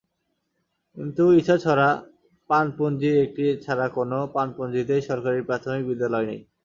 কিন্তু ইছাছড়া পানপুঞ্জির একটি ছাড়া কোনো পানপুঞ্জিতেই সরকারি প্রাথমিক বিদ্যালয় নেই।